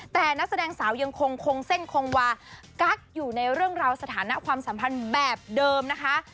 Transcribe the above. แต่นักแสดงสาวยังคงเส้นคงวากั๊กอยู่ในเรื่องราวสถานะความสัมพันธ์แบบเดิมนะคะ